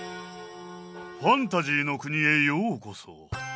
ファンタジーの国へようこそ！